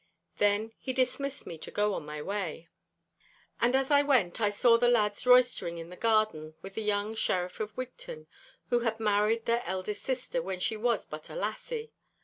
Then he dismissed me to go my way. And as I went, I saw the lads roistering in the garden with the young Sheriff of Wigton, who had married their eldest sister when she was but a lassie.